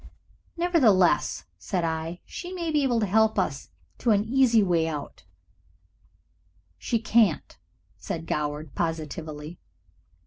"Nevertheless," said I, "she may be able to help us to an easy way out " "She can't," said Goward, positively.